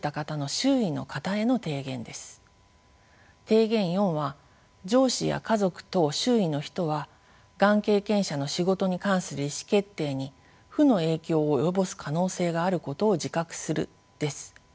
提言４は上司や家族等周囲の人はがん経験者の仕事に関する意思決定に負の影響を及ぼす可能性があることを自覚するです。